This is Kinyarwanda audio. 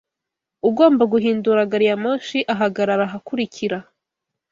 Ugomba guhindura gari ya moshi ahagarara ahakurikira.